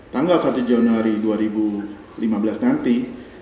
tanggal satu januari dua ribu lima belas nanti